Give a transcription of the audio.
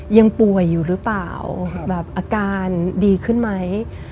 ยังป่วยอยู่หรือเปล่าแบบอาการดีขึ้นไหม